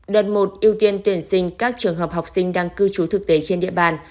đợt một ưu tiên tuyển sinh các trường hợp học sinh đang cư trú thực tế trên địa bàn